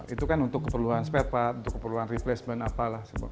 itu kan untuk keperluan spare part untuk keperluan replacement apalah